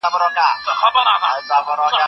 زه اوږده وخت د کتابتوننۍ سره خبري کوم.